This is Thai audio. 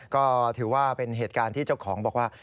ก็ถือว่าเป็นเหตุการณ์ที่เจ้าของบอกว่า